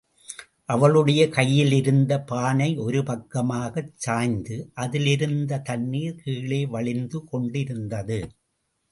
அவளுடைய கையிலிருந்த பானை ஒரு பக்கமாகச் சாய்ந்து அதில் இருந்த தண்ணீர் கீழே வழிந்து கொண்டிருந்தது.